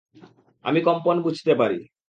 আমি কম্পন বুঝতে পারি।